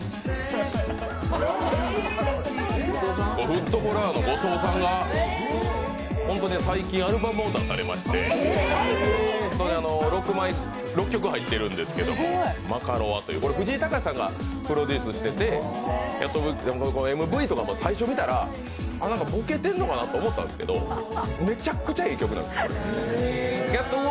フットボールアワーの後藤さんが最近アルバムを出されまして、６曲入ってるんですけど「マカロワ」という藤井隆さんがプロデュースしていてＭＶとかも最初見たら、ボケてるのかなと思ったんですけど、めちゃくちゃええ曲なんですよ、これ。